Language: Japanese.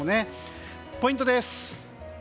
ポイントです。